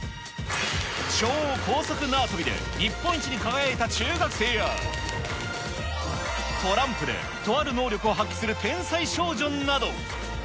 超高速縄跳びで日本一に輝いた中学生や、トランプでとある能力を発揮する天才少女など。